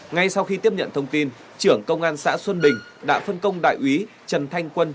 ngay sau khi tiếp nhận thông tin trưởng công an xã xuân bình đã phân công đại úy trần thanh quân